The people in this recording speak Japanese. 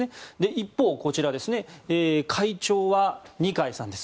一方、こちら会長は二階さんです。